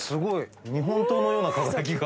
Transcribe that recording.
日本刀のような輝きが。